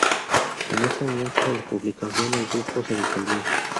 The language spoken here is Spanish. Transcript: En ese momento de la publicación, el grupo se disolvió.